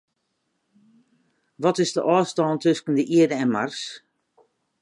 Wat is de ôfstân tusken de Ierde en Mars?